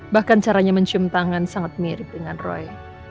bahkan caranya mencium tangan sangat mirip dengan roy